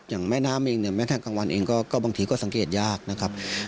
อย่างแม่น้ำเองเนี่ยแม้ทางกลางวันเองก็บางทีก็สังเกตยากนะครับ